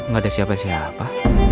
gak ada siapa siapa